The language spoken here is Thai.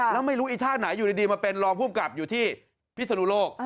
แล้วไม่รู้อีท่าไหนอยู่ดีมาเป็นรองภูมิกับอยู่ที่พิศนุโลก